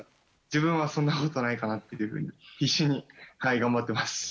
自分はそんなことないかなって、必死に頑張ってます。